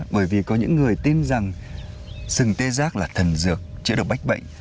bởi vì có những người tin rằng sừng tê giác là thần dược chữa được bách bệnh